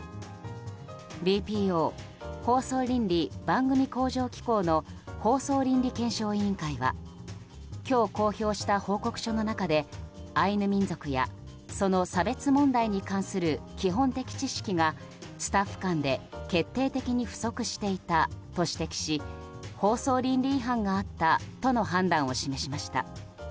ＢＰＯ・放送倫理・番組向上機構の放送倫理検証委員会は今日公表した報告書の中でアイヌ民族やその差別問題に関する基本的知識がスタッフ間で決定的に不足していたと指摘し放送倫理違反があったとの判断を示しました。